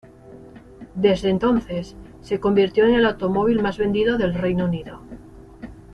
Desde entonces, se convirtió en el automóvil más vendido del Reino Unido.